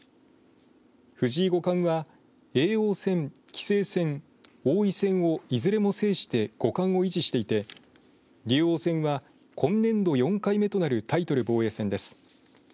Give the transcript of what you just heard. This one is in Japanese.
藤井五冠は叡王戦、棋聖戦、王位戦をいずれも制して五冠を維持していて竜王戦は今年度４回目となるタイトル防衛戦です。